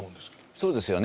そうですよね。